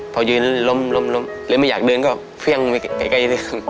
เพราะยืนล้มเลยไม่อยากเดินก็เพี้ยงไปใกล้ซึ่ง